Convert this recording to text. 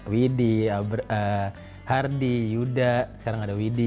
widi hardy yuda sekarang ada widi